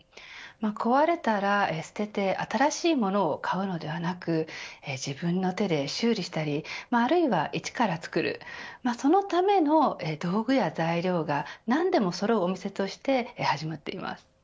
壊れたら捨てて新しいものを買うのではなく自分の手で修理したりあるいは、イチから作るそのための道具や材料が何でもそろうお店として始まっています。